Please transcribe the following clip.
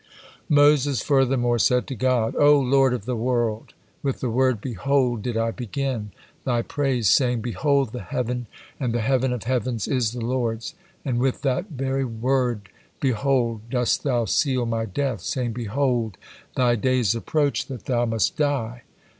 Moses furthermore said to God: "O Lord of the world! With the word, 'Behold' did I begin Thy praise, saying, 'Behold, the heaven and the heaven of heavens is the Lord's' and with that very world, 'Behold,' dost thou seal my death, saying, 'Behold, thy days approach that thou must die.'"